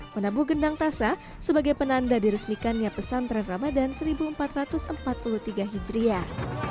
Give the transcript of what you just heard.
menabuh gendang tasa sebagai penanda diresmikannya pesantren ramadan seribu empat ratus empat puluh tiga hijriah